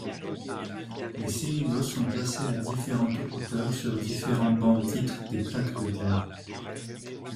Les cellulos sont placés à différentes hauteurs sur différents bancs-titres, des plaques de verre.